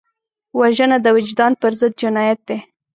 وژنه د وجدان پر ضد جنایت دی